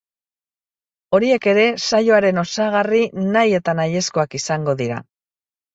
Horiek ere saioaren osagarri nahi eta nahiezkoak izango dira.